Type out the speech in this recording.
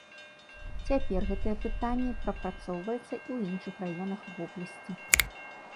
Цяпер гэтае пытанне прапрацоўваецца і ў іншых раёнах вобласці.